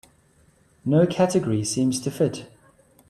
No category seems to fit.